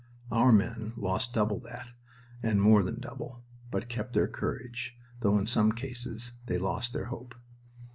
Our men lost double that, and more than double, but kept their courage, though in some cases they lost their hope.